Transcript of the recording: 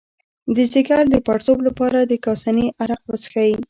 د ځیګر د پړسوب لپاره د کاسني عرق وڅښئ